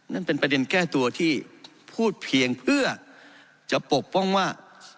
นั่นเป็นประเด็นแก้ตัวที่พูดเพียงเพื่อจะปกป้องว่า